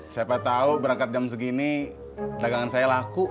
siapa tahu berangkat jam segini dagangan saya laku